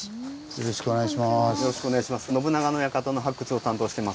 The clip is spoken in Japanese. よろしくお願いします。